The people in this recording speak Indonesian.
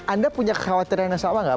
anda punya kekhawatiran yang sama nggak